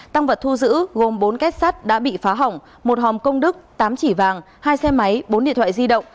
tăng vật thu giữ gồm bốn kết sắt đã bị phá hỏng một hòm công đức tám chỉ vàng hai xe máy bốn điện thoại di động